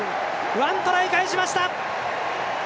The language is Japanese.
１トライ返しました！